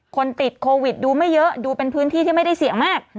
คนติดโควิดดูไม่เยอะดูเป็นพื้นที่ที่ไม่ได้เสี่ยงมาก